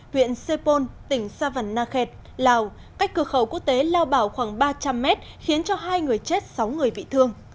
huyện sê pôn tỉnh sa văn na khẹt lào cách cửa khẩu quốc tế lao bảo khoảng ba trăm linh mét khiến cho hai người chết sáu người bị thương